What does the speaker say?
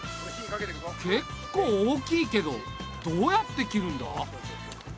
けっこう大きいけどどうやって切るんだ？